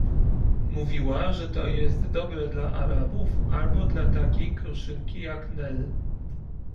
Mówiła, że to jest dobre dla Arabów albo dla takiej kruszynki jak Nel.